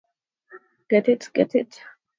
Get it?